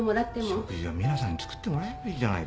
食事はミナさんに作ってもらえばいいじゃないか。